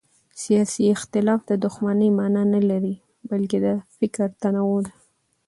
سیاسي اختلاف د دښمنۍ مانا نه لري بلکې د فکر تنوع ده